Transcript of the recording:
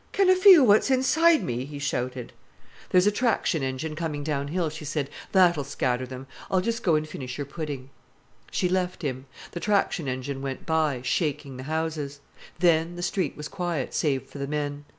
"Canna I feel what's inside me?" he shouted. "There's a traction engine coming downhill," she said. "That'll scatter them. I'll just go an' finish your pudding." She left him. The traction engine went by, shaking the houses. Then the street was quiet, save for the men.